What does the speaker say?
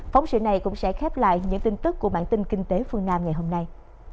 phóng sự này cũng sẽ khép lại những tin tức của bản tin kinh tế phương nam ngày hôm nay